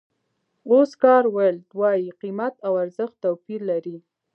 اوسکار ویلډ وایي قیمت او ارزښت توپیر لري.